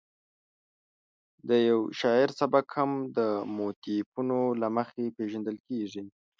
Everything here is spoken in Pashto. د یو شاعر سبک هم د موتیفونو له مخې پېژندل کېږي.